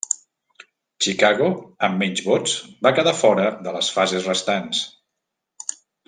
Chicago, amb menys vots, va quedar fora de les fases restants.